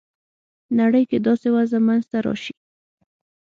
نړۍ کې داسې وضع منځته راسي.